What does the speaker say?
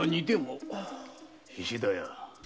菱田屋。